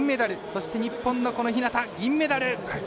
そして日本の日向、銀メダル。